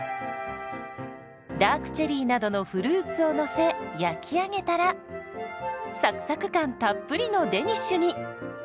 ダークチェリーなどのフルーツをのせ焼き上げたらサクサク感たっぷりのデニッシュに。